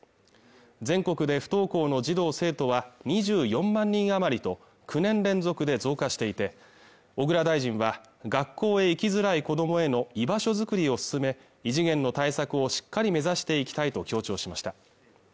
全国で不登校の児童生徒は２４万人余りと９年連続で増加していて小倉大臣は学校へ行きづらい子どもへの居場所づくりを進め異次元の対策をしっかり目指していきたいと強調しました